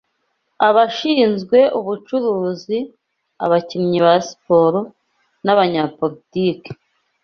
abashinzwe ubucuruzi, abakinnyi ba siporo, nabanyapolitike